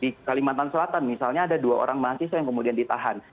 di kalimantan selatan misalnya ada dua orang mahasiswa yang kemudian ditahan